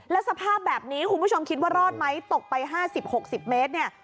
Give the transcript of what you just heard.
แล้วสภาพแบบนี้คุณผู้ชมคิดว่ารอดไหมตกไป๕๐๖๐เมตรเนี่ย